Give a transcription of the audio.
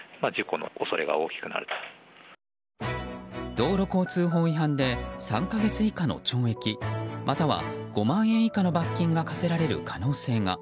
道路交通法違反で３か月以下の懲役または５万円以下の罰金が科せられる可能性が。